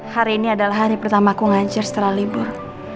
hari ini adalah hari pertama aku ngancir setelah libur